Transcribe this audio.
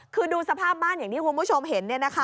คือดูสภาพบ้านอย่างนี้คุณผู้ชมเห็นเนี่ยนะคะ